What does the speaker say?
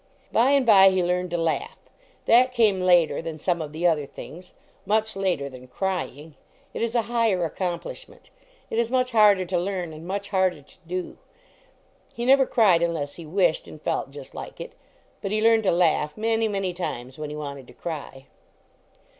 By and by, he learned to laugh. That came later than some of the other things ; much later than crying. It is a higher ac complishment. It is much harder to learn, and much harder to do. He never cried un less he wished, and felt just like it. But he learned to laugh, many, many times when he wanted to cry.